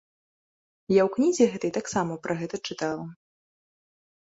Я ў кнізе гэтай таксама пра гэта чытала.